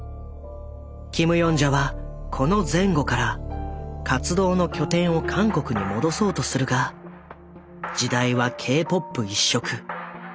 キム・ヨンジャはこの前後から活動の拠点を韓国に戻そうとするが時代はＫ−ＰＯＰ一色。